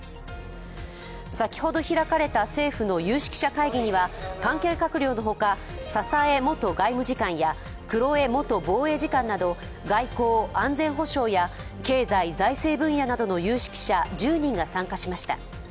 先ほど開かれた政府の有識者会議には関係閣僚の他、佐々江元外務次官や黒江元防衛次官など外交・安全保障や経済・財政分野などの有識者１０人が参加しました。